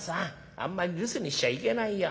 あんまり留守にしちゃいけないよ。